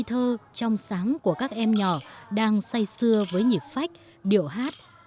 trên những gương mặt ngây thơ trong sáng của các em nhỏ đang say sưa với nhịp phách điệu hát